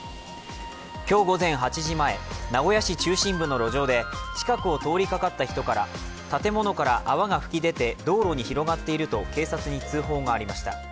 今日午前８時前、名古屋市中心部の路上で近くを通りかかった人から建物から泡が噴き出て道路に広がっていると警察に通報がありました。